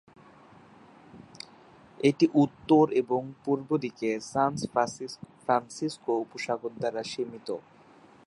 এটি উত্তর এবং পূর্ব দিকে সান ফ্রান্সিসকো উপসাগর দ্বারা সীমিত।